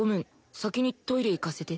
先にトイレ行かせて。